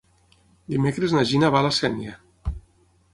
Dimecres na Gina va a la Sénia.